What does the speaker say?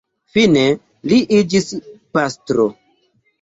Fine li iĝis pastro.